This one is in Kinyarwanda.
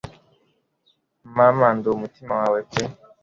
Mama ndumutima wawe pe